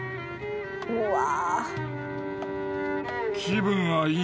うわ。